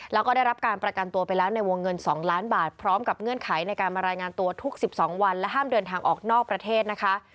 แล้วก็ได้รับการประกันตัวไปแล้วในวงเงิน๒ล้านบาทพร้อมกับเงื่อนไขในการมารายงานตัวทุก๑๒วันและห้ามเดินทางออกนอกประเทศนะคะ